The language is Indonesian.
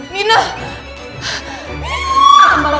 minah minah minah